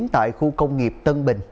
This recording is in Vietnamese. tại khu công nghiệp tân bình